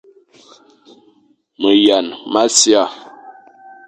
Meyañ mʼasia,